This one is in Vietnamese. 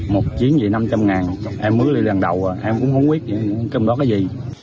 một chiếc gì năm trăm linh ngàn em mới đi lần đầu em cũng không biết trong đó có gì